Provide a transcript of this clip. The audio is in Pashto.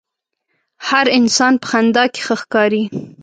هر انسان په خندا کښې ښه ښکاري.